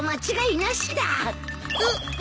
うっ。